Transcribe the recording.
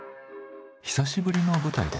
久しぶりの舞台です。